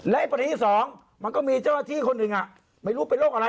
และประเด็นที่สองมันก็มีเจ้าหน้าที่คนหนึ่งไม่รู้เป็นโรคอะไร